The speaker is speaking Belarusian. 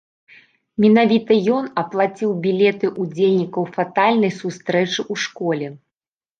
Менавіта ён аплаціў білеты ўдзельнікаў фатальнай сустрэчы ў школе.